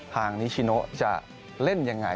ทางนิชโนจะเล่นยังไง